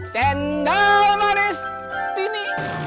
jendal manis dingin